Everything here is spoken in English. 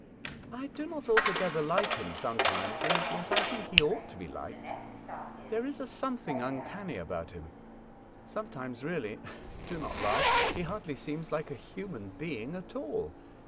"I do not altogether like him sometimes, and yet I think he ought to be liked. There is a something uncanny about him. Sometimes, really — do not laugh — he hardly seems like a human being at all.